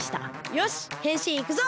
よしへんしんいくぞ！